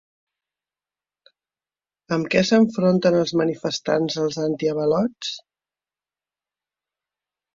Amb què s'enfronten els manifestants als antiavalots?